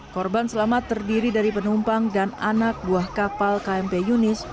korban selamat terdiri dari penumpang dan anak buah kapal kmp yunis